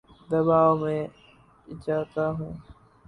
دباو میں آ جاتا ہوں